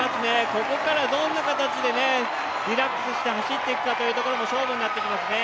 ここからどんな形でリラックスして走って行くかも勝負になってきますね。